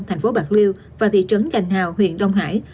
thành phố bạc liêu và thị trấn gành hào huyện đông hải